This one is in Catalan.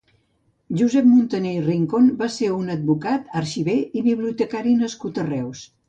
Josep Montaner Rincon va ser un advocat, arxiver i bibliotecari nascut a Reus.